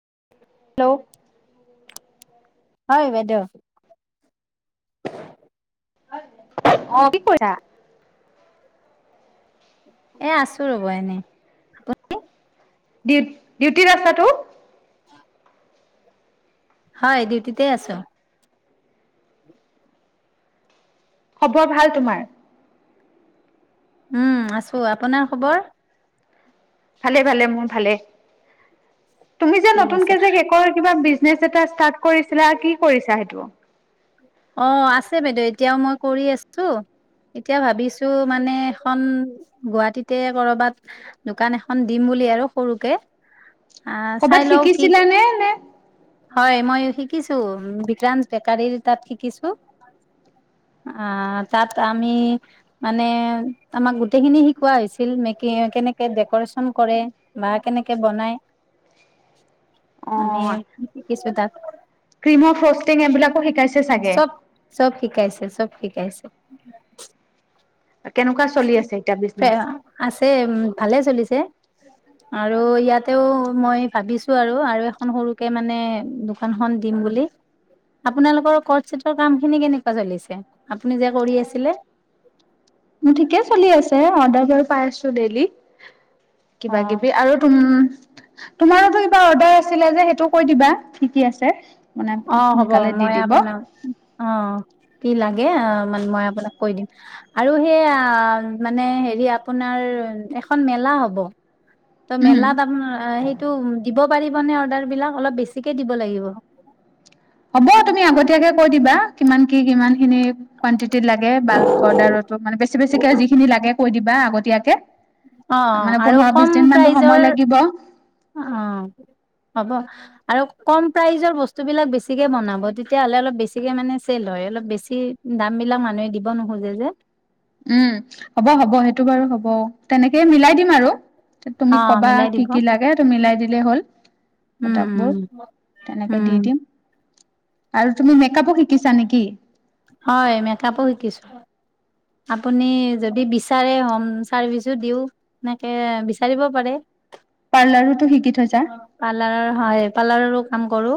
Hello হয় বাইদে আহ কি কা এ আছো ৰব এনে তু ডউ ডিউটিৰ ৰাস্তাটো হয় ডিউটিতে আছো খবৰ ভাল তোমাৰ উম আছো আপোনাৰ খবৰ ভালে ভালে মোৰ ভালে, তুমি যে ঠিক আছে নতুনকে যে কিবা বিজনে এটাৰট কৰিছিলা কি কৰিছা সেইটো অ' আছে বাইদেউ এতিয়াও মই কৰি আছো এতিয়া ভাবিছো মানে এখন গুৱাহাটীতে কৰবাত দোকান এখন দিম বুলি আৰু সৰুকে আহ চাই কৰ'বাত লও কি শিকিছিলানে নে? হয় মই শিকিছো বিক্ৰান্ত বেকাৰীৰ তাত শিকিছো আহ তাত আমি মানে আমাক গোটেইখিনি শিকোৱা হৈছিল মেক কেনেকে ডেক'ৰেচন কৰে বা কেনেকে বনাই অ আমি কি কিছু ক্ৰীমৰ ফষ্টিং এইবিলাকো শিকাইছে চাগে চব চব শিকাইছে চব শিকাইছে [unintelligible] কেনেকুৱা চলি আছে এতিয়া বিজনেচ আছে উ ভালে চলিছে আৰু ইয়াতেও মই ভাবিছোঁ আৰু আৰু এখন সৰুকে মানে দোকানখন দিম বুলি আপোনালোকৰ কৰ্ট চিটৰ কামখিনি কেনেকুৱা চলিছে আপুনি যে কৰি আছিলে ঠিকেই চলি আছে আ ম পাই আছছো দি অ কিবা কিবি আৰু তুম তোমাৰো কিবা অৰ্ডাৰ আছিলে যে সেইটো কৈ দিবা কি কি আছে মানে অ হ'ব সোনকালে দি মই দিব আপনাও অ' কি লাগে মানে মই আপোনাক কৈ দিম আৰু সেইয়া মানে হেৰি আপোনাৰ এখন মেলা হ'ব ত উম মেলাত আপাৰ সেইটো দিব পাৰিব [unintelligible] হ'ব তুমি আগতে তেতিয়াকে কৈ দিবা কিমান কি কিমানখিনি কণ্টিটিত লাগে বাল্ক অৰ্ডাৰতো মানে বেছি বেছিকে যিখিনি লাগে কৈ দিবা আগতে এতিয়াকে অ অ আৰু কম সময় প্ৰাইজৰ লাগিব অ হ'ব আৰু কম প্ৰাইজৰ বস্তুবিলাক বেছিকে বনাব তেতিয়া হ'লে অলপ বেছিকে মানে চেল হয় অলপ বেছি দামবিলাক মানুহে দিব নোখোজে যে উম হ'ব হ'ব সেইটো বাৰু হ'ব তেনেকে সেই মিলাই দিম আৰু তুমি অ কবা মিলাই কি দিব কি লাগে ত মিলাই দিম দিলে হ'ল উম প্ৰতাপবোৰ উম তেনেকে দি উম দিম আৰু তুমি মেকাপো শিকিছা নেকি হয় মেকাপো শিকিছোঁ আপুনি যদি বিচাৰে হোম চাৰ্ভিচো দিও এনেকে বিচাৰিব পাৰে পাৰ্লাৰোতো শিকি থৈছা পাৰ্লাৰৰ হয় পাৰ্লাৰৰো কাম কৰো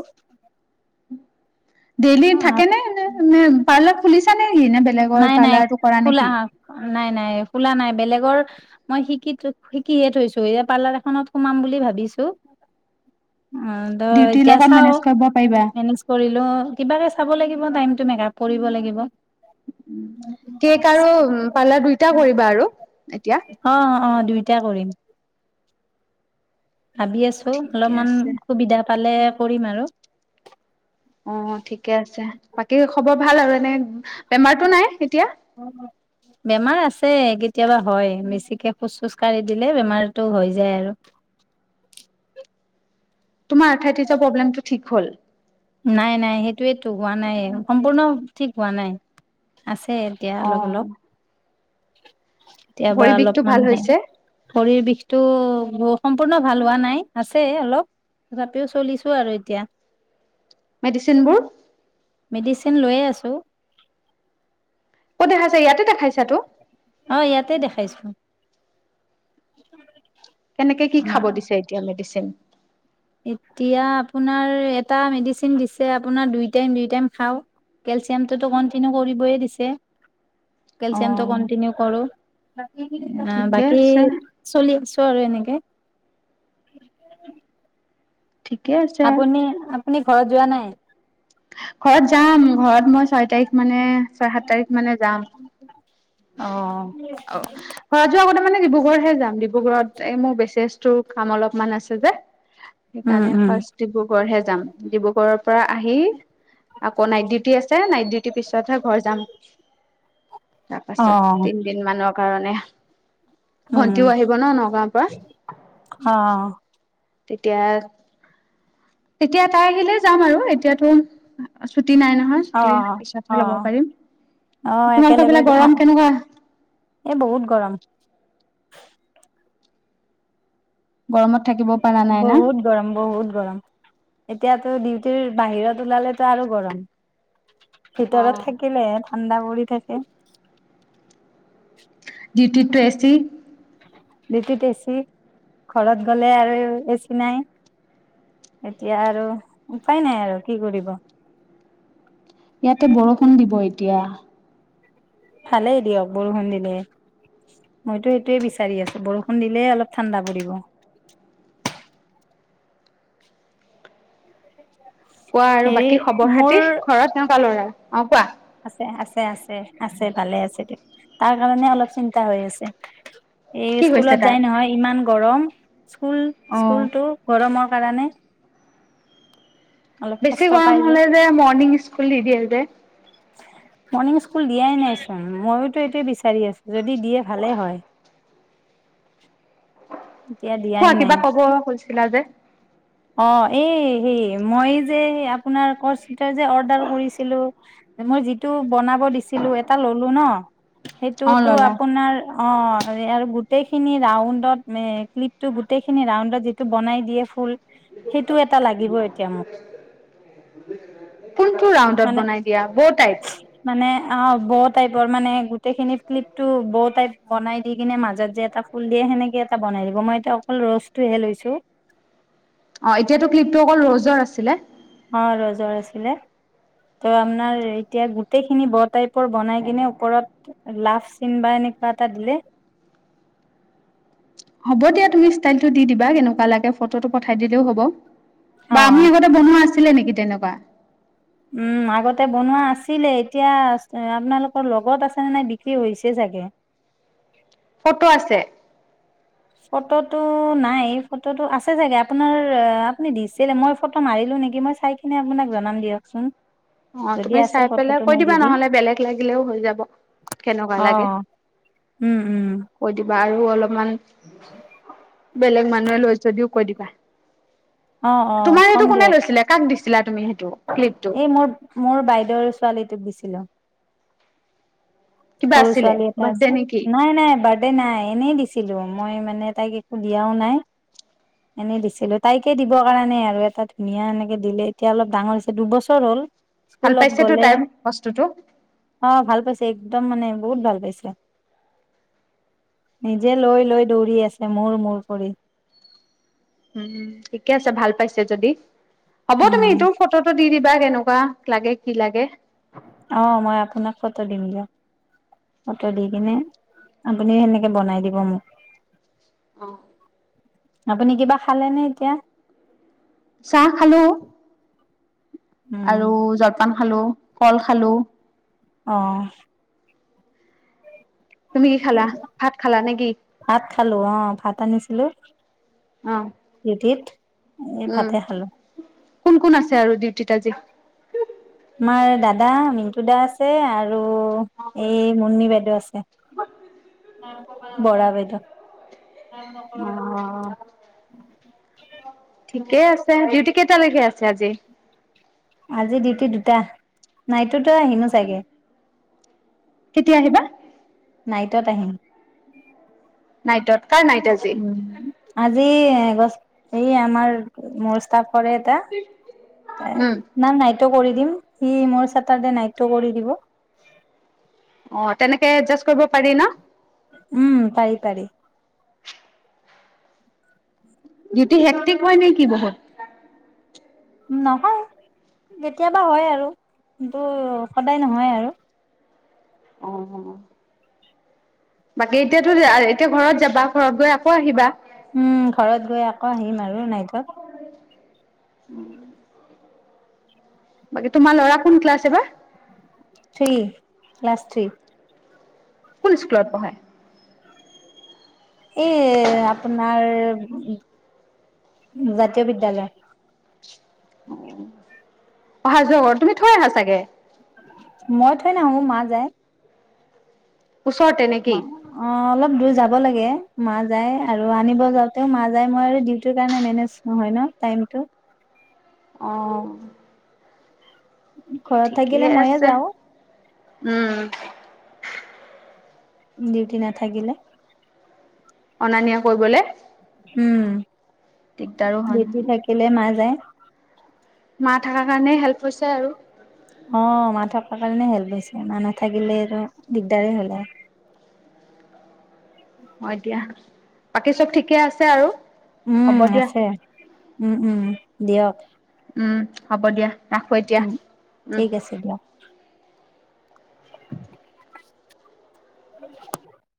ডেইলি থাকে নে নে নে পাৰ্লাৰ খুলিছ নে বেলেগৰ নাই নাই পাৰ্লাৰটো কৰা খোলা নেকি নাই নাই খোলা নাই বেলেগৰ মই শিকি শিকিয়ে থৈছো এইয়া পাৰ্লাৰ এখনত সোমাম বুলি ভাবিছো অ দ ডিউটিৰ এতিয়া লগত চাও মেনেজ কৰিব পাৰিবা মেনেজ কৰিলো কিবাকে চাব লাগিব টাইমটো মেকাপ কৰিব লাগিব কেক আৰু পাৰ্লাৰ দুইটা কৰিবা আৰু এতিয়া অ অ দুইটা কৰিম ভাবি আছো ঠিকে অলপমান আছে সুবিধা পালে কৰিম আৰু অ ঠিকে আছে বাকী খবৰ ভাল আৰু মানে বেমাৰটো নাই এতিয়া বেমাৰ আছে কেতিয়াবা হয় মেছিকে খোজ চোজ কাঢ়ি দিলে বেমাৰটো হৈ যায় আৰু তোমাৰ থাইটিছৰ প্ৰব্লেমটো ঠিক হ'ল নাই নাই সেইটোয়েতো হোৱা নাই সম্পূৰ্ণ ঠিক হোৱা নাই আছে এতিয়া অলপ অলপ [inaudible] কেতিয়াবা ভৰি বিষটো অলপমান ভাল হে হৈছে ভৰিৰ বিষটো সম্পূৰ্ণ ভাল হোৱা নাই আছে অলপ তথাপিও চলিছোঁ আৰু এতিয়া মেডিচিনবোৰ মেডিচিন লৈয়ে আছোঁ দেখাইছা ইয়াতে দেখাইছাতো অ ইয়াতে দেখাইছো [inaudible] কেনেকে কি আমাৰ খাব দিছে এতিয়া, মেডিচিন? এতিয়া আপোনাৰ এটা মেডিচিন দিছে আপোনাৰ দুই টাইম-দুই টাইম খাওঁ, কেলচিয়ামটোতো কন্টিনিউ কৰিবয়ে দিছে। কেলচিয়ামটো অ' কন্টিনিউ কৰো। [inaudible] ঠিকে বাকী, আছে চলি আছে আৰু এনেকে। ঠিকে আছে। আপুনি আপুনি ঘৰত যোৱা নাই? ঘৰত যাম ঘৰত মই ছয় তাৰিখ মানে ছয় সাত তাৰিখ মানে যাম। অ ঘৰত যোৱা আগতে মানে ডিব্ৰুগড়হে যাম, ডিব্ৰুগড়ত এই মোৰ বেচ কাম অলপ অমান আছে যে, উম সেইকাৰণে উম ফাৰ্ষ্ট ডিব্ৰুগড়হে যাম। ডিব্ৰুগড়ৰ পৰা আহি, আকৌ নাইট ডিউটি আছে, নাইট ডিউটিৰ পিছতহে ঘৰ যাম। তাৰ অ পাছত তিনদিন মানৰ কাৰনে। উম ভন্টিও আহিব ন? নগাঁৱৰ পৰা। অ তেতিয়া, তেতিয়া তাই আহিলে যাম আৰু এতিয়াতো, সু নাই নহয় অ চুটি, পিছতহে ল'ব অ পাৰিম। অ তোমালোকৰ একেলগে ফালে গৰম কেনেকুৱা? এ বহুত গৰম গৰমত থাকিব পৰা নাই না বহুত গৰম-বহুত গৰম। এতিয়াতো ডিউটিৰ বাহিৰত ওলালেতো আৰু গৰম। অ ভিতৰত থাকিলে ঠাণ্ডা কৰি থাকে। দুটিত টো এচি? ডউটিত এচি, ঘৰত গলে আৰু এচি নাই। এতিয়া আৰু উপায় নাই আৰু কি কৰিব। ইয়াতে বৰষুণ দিব এতিয়া। ভালেই দিয়ক বৰষুণ দিলে। মইতো সেইটোোৱে বিচাৰি আছো বৰষুণ দিলেই অলপ ঠাণ্ডা পৰিব। কোৱা আৰু হেৰি বাকী খবৰ খাতি, ঘৰত কেনেকুৱা ল'ৰা? অ কুৱো? আছে-আছে আছে, ভালে আছে দিয়। তাৰ কাৰণে অলপ চিন্তা হৈ আছে। এই কি হৈছে স্কুলত তাৰ যাই নহয়, ইমান গৰম। স্কুল অ স্কুলতো গৰমৰ কাৰণে অলপ বেছি কষ্ট পাই গৰম হলে যে মৰ্ণিং স্কুল দি দিয়ে যে মৰ্ণিং স্কুল দিয়াই নাইচোন মইওতো এইটোয়ে বিচাৰি আছো যদি দিয়ে ভালেই হয় এতিয়া দিয়াই হোৱা কিবা নাই কব হৈছিলা যে অ এই হে মই যে আপোনাৰ ক ভিতৰত যে অৰ্ডাৰ কৰিছিলো মই যিটো বনাব দিছিলো এটা ললো ন অ সেইটোতো ললা আপোনাৰ অ আৰু গোটেইখিনি ৰাউণ্ডত ক্লিপটো গোটেইখিনি ৰাউণ্ডত যিটো বনাই দিয়ে ফুল সেইটো এটা লাগিব এতিয়া মোক কোনটো ৰাউডত মানে বনাই দিয়া বৌ টাইপ মানে অ বহত টাইপৰ মানে গোটেইখিনি কিলিপ টো বৌ টাইপ বনাই দি কিনে মাজত যে এটা ফুল দিয়ে সেনেকে এটা বনাই দিব মই এতিয়া অকল ৰছটোহে লৈছো অ এতিয়াতো ক্লিপটো অকল ৰজৰ আছিলে অ ৰজৰ আছিলে ত আপোনাৰ এতিয়া গোটেইখিনি ব টাইপৰ বনাই কিনে ওপৰত লাফ চিন বা এনেকুৱা এটা দিলে হ'ব দিয়া তুমি ষ্টাইলটো দি দিবা কেনেকুৱা লাগে ফটো পঠাই দিলেও হ'ব বা আমি অ' আগতে বনোৱা আছে ছিলে নেকি তেনেকুৱা উম আগতে বনোৱা আছিলে এতিয়া আপোনালোকৰ লগত আছেনে নাই বিক্ৰী হৈছে চাগে ফটো আছে ফটোটো নাই ফটোটো আছে চাগে আপোনাৰ আপুনি দিছিলে মই ফটো মাৰিলো নেকি মই চাই কিনে আপোনাক জনাম দিয়কচোন অ যদি তুমি আছে চাই পেলাই ফটোটো কৈ মই দিবা দি দিম। নহলে বেলেগ লাগিলেও হৈ যাব কেনেকুৱা অ লাগে উম উম কৈ দিবা বা আৰু অলপমান বেলেগ মানুহে লৈ যদিও কৈ দিবা অ অ তোমাৰ এইটো কম কোনে দিয়ক লৈছিলে কাক দিছিল ছিলা তুমি সেইটো ক্লিপটো এই মোৰ মোৰ বাইদেউৰ ছোৱালীটোক দিছিলো কিবা সৰু আছিলে ছোৱালী এটা বাৰ্থডে আছে নেকি? নাই নাই বাট আৰে নাই এনেই দিছিলোঁ মই মানে তাইক একো দিয়াও নাই এনেই দিছিলোঁ তাইকে দিবৰ কাৰণে আৰু এটা ধুনীয়া এনেকৈ দিলে এতিয়া অলপ ডাঙৰ হৈছে দুবছৰ হ'ল ভাল স্কুলত পাইছেতো গ'লে টাইম বস্তুটো অ ভাল পাইছে একদম মানে বহুত ভাল পাইছে নিজে লৈ লৈ দৌৰি আছে মোৰ মোৰ কৰি উম ঠিকে আছে ভাল পাইছে যদি হ'ব তুমি উম এইটোৰ ফটো দি দি কিবা কেনেকুৱা লাগে কি লাগে বতৰ দি কেনে আপুনি সেনেকে বনাই দিব মোক আহ আপুনি কিবা খালে নে এতিয়া চাহ খালো উম আৰু জলপান খালো কল খালো অহ তুমি কি খালা ভাত খালা নে কি হয় দিতিত এই উম ভাতে খালো কোন কোন আছে আৰু ডিউটিত আজি আমাৰ দাদা মিন্টু দা আছে আৰু আৰু এই মুন্নি বাইদেউ আছে বৰা বেদ অ ঠিকেই আছে ডিউটি কেইটালৈকে আছে আজি আজি ডিউটি দুটা নাইটোোতো আহিনো চাগে কেতিয়া আহিবা নাইটত আহিম নাইটত কাৰ নাইট আজি? উম আজি ছ এই আমাৰ মোৰ কৰে এটা উম, ন নাইটোো কৰি দিম ই মোৰ চেটাৰ্ডে নাইটটো কৰি দিব অ তেনেকে এডজাষ্ট কৰিব পাৰি ন উম পাৰি পাৰি স সে্টিক ম হয় নেকি বহুত নহয় কেতিয়াবা হয় আৰু কিন্তু সদায় নহয় আৰু অ বাকী এতিয়াতো এতিয়া ঘৰত যাবা ঘৰত গৈ আকৌ আহিবা উম ঘৰত গৈ আকৌ আহিম আৰু নাই এুৱ উম বাকী তোমাৰ ল'ৰা কোন ক্লাছ এ বা থ্ৰী ক্লাছ থ্ৰী সুল স্কুলত পঢ়ায় এই আপোনাৰ জাতীয় বিদ্য়ালয় অহা যোৱা তুমি থৈ আহা চাগে মই থৈ নাহো মা যায় ওচৰতে নে কি? অ অলপ দূৰ যাব আৰু অ' ঘৰত ঠিকেই থাকিলে ময়ে আছে। যাওঁ উম ডিউটি নাথাকিলে অনা নিয়া কৰিবলে দিগদাৰো হয় বেটি নহয়। থাকিলে মা যায় মা থকাৰ কাৰণে হেল্প হৈছে আৰু অ মা থকাৰ কাৰণে হেল্প হৈছে মা নাথাকিলেটো দিগদাৰেই হ'লে হয় অ দিয়া বাকী চব ঠিকে আছে আৰু উম হ'ব দিয়া। আছে উম উম দিয়ক উম হ'ব দিয়া ৰাখো এতিয়া। উম উম। ঠিক আছে দিয়া [inaudible]